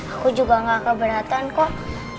aku juga gak keberatan kok